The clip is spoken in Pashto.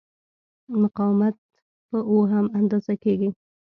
مقاومت په اوهم اندازه کېږي.